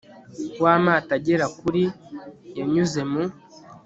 wa amato agera kuri yanyuze mu